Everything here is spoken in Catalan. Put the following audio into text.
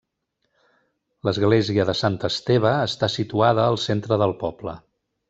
L'església de Sant Esteve està situada al centre del poble.